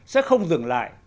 sẽ không dừng lại